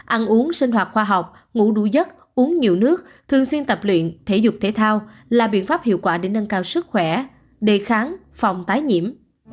ăn uống sinh hoạt khoa học ngủi giấc uống nhiều nước thường xuyên tập luyện thể dục thể thao là biện pháp hiệu quả để nâng cao sức khỏe đề kháng phòng tái nhiễm